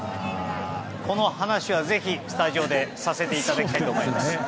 この話はぜひ、スタジオでさせていただきたいと思います。